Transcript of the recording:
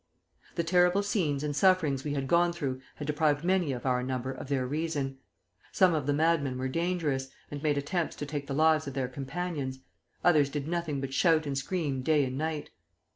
"The terrible scenes and sufferings we had gone through had deprived many of our number of their reason. Some of the madmen were dangerous, and made attempts to take the lives of their companions; others did nothing but shout and scream day and night.